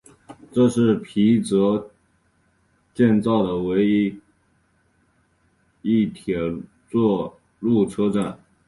这是皮泽建造的唯一一座铁路车站。